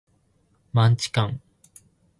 マンチカン